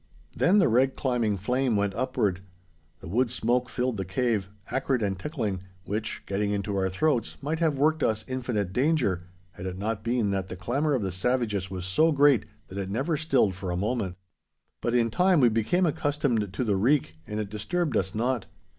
Then the red climbing flame went upward. The wood smoke filled the cave, acrid and tickling, which, getting into our throats, might have worked us infinite danger, had it not been that the clamour of the savages was so great that it never stilled for a moment. But in time we became accustomed to the reek, and it disturbed us not.